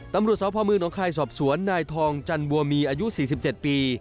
ตำรวจสพเมืองหนองคายสอบสวนนายทองจันบัวมีอายุ๔๗ปี